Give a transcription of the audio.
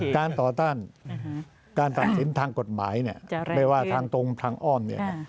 การต่อต้านการตัดสินทางกฎหมายไม่ว่าทางตรงทางอ้อมเนี่ย